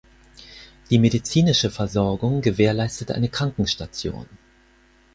Die medizinische Versorgung gewährleistet eine Krankenstation.